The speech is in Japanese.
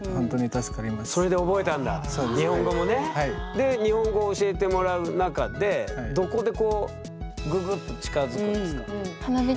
で日本語を教えてもらう中でどこでこうググッと近づくんですか？